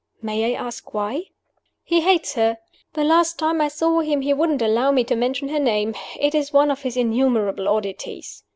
"May I ask why?" "He hates her! The last time I saw him he wouldn't allow me to mention her name. It is one of his innumerable oddities.